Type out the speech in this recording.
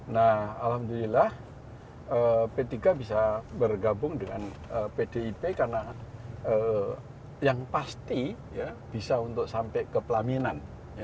nah alhamdulillah p tiga bisa bergabung dengan pdip karena yang pasti bisa untuk sampai ke pelaminan